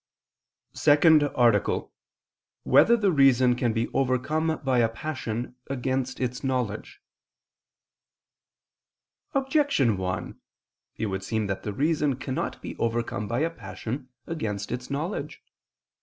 ________________________ SECOND ARTICLE [I II, Q. 77, Art. 2] Whether the Reason Can Be Overcome by a Passion, Against Its Knowledge? Objection 1: It would seem that the reason cannot be overcome by a passion, against its knowledge.